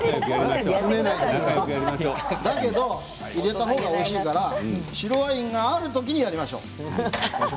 だけど入れたほうがおいしいから白ワインがあるときにやりましょう。